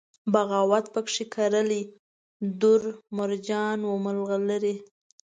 بغاوت پکښې کرلي دُر، مرجان و مرغلرې